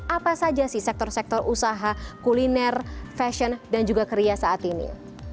apa saja sih sektor sektor usaha kuliner fashion dan juga kria saat ini